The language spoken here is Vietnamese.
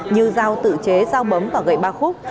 như giao tự chế giao bấm và gậy ba khúc